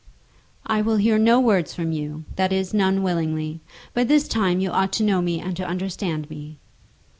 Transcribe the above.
"I will hear no words from you, that is, none willingly. By this time you ought to know me and to understand me."